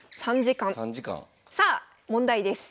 さあ問題です。